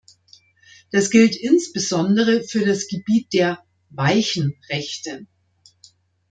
Das gilt insbesondere für das Gebiet der "weichen" Rechte.